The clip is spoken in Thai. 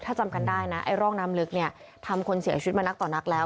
ถ้าจำกันได้นะไอ้ร่องน้ำลึกเนี่ยทำคนเสียชีวิตมานักต่อนักแล้ว